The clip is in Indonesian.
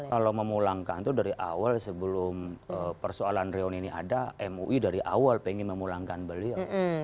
kalau memulangkan itu dari awal sebelum persoalan reuni ini ada mui dari awal pengen memulangkan beliau